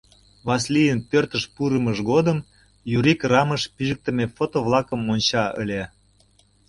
Васлийын пӧртыш пурымыж годым Юрик рамыш пижыктыме фото-влакым онча ыле.